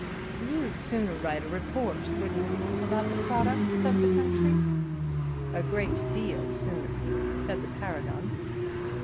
"You'd sooner write a report, wouldn't you, about the products of the country?" "A great deal sooner," said the Paragon.